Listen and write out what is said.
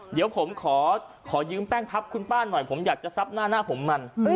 เดี๋ยวผมขอยืมแป้งทับคุณป้าหน่อยผมอยากจะซับหน้าหน้าผมมัน